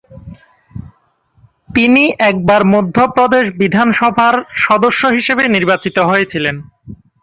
তিনি একবার মধ্যপ্রদেশ বিধানসভার সদস্য হিসেবে নির্বাচিত হয়েছিলেন।